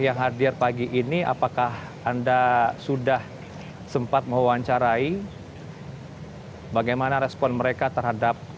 yang hadir pagi ini apakah anda sudah sempat mewawancarai bagaimana respon mereka terhadap